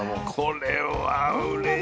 これはうれしい。